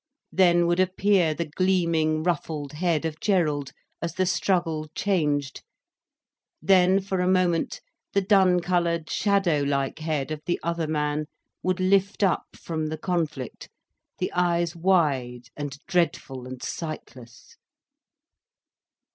Then would appear the gleaming, ruffled head of Gerald, as the struggle changed, then for a moment the dun coloured, shadow like head of the other man would lift up from the conflict, the eyes wide and dreadful and sightless.